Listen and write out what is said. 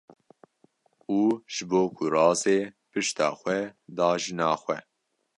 ....’’ û ji bo ku razê pişta xwe da jina xwe.